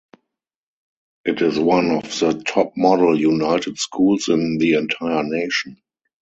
It is one of the top Model United Schools in the entire nation.